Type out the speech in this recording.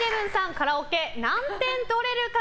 カラオケ何点取れるか？